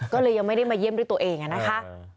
ก็เลยยังไม่ได้มาเยี่ยมด้วยตัวเองนะคะ